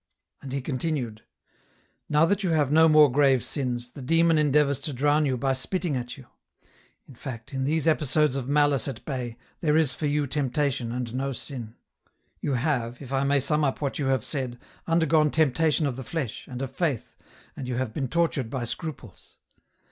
253 254 EN ROUTE. And he continued, " Now that you have no more grave sins, the Demon en deavours to drown you by spitting at you. In fact, in these episodes of maUce at bay, there is for you temptation and no sin. " You have, if I may sum up what you have said, under gone temptation of the flesh, and of Faith, and you have been tortured by scruples.